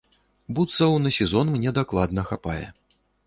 Бутсаў на сезон мне дакладна хапае.